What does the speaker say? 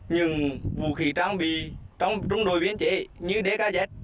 những vũ khí trang bị trong trung đội biên chế như dk